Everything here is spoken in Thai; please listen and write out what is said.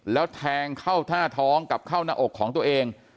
แล้วแทงเข้าท่าท้องกลับเข้าหน้าอกของตัวเอง